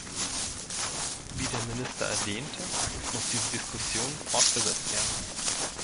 Wie der Minister erwähnte, muss diese Diskussion fortgesetzt werden.